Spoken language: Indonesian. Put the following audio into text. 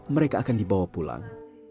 mereka akan dibawa pulang